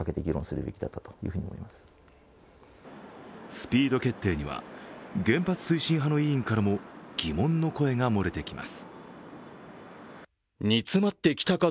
スピード決定には原発推進派の委員からも疑問の声が漏れてきます。